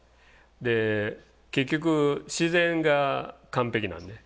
で結局自然が完璧なんでね。